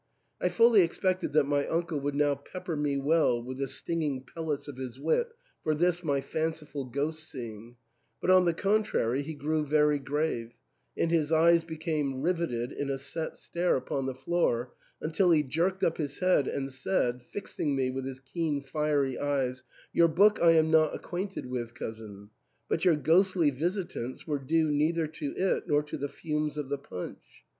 I fully expected that my uncle would now pep per me well with the stinging pellets of his wit for this my fanciful ghost seeing ; but, on the contrary, he grew very grave, and his eyes became riveted in a set stare upon the floor, until he jerked up his head and said, fix ing me with his keen fiery eyes, " Your book I am not acquainted with, cousin ; but your ghostly visitants were due neither to it nor to the fumes of the punch.